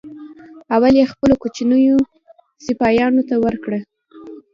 اول یې خپلو کوچنیو سپیانو ته ورکړه.